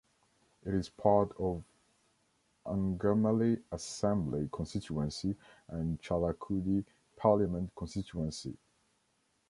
It is part of Angamaly Assembly constituency and Chalakudy Parliament constituency.